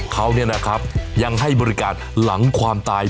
เขาเนี่ยนะครับยังให้บริการหลังความตาย